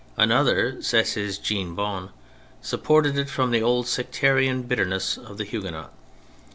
Another, such as Jean Bon, supported it from the old sectarian bitter ness of the Huguenot.